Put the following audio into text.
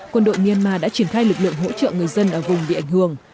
quân đội myanmar đã triển khai lực lượng hỗ trợ người dân ở vùng bị ảnh hưởng